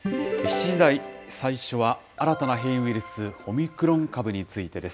７時台、最初は新たな変異ウイルス、オミクロン株についてです。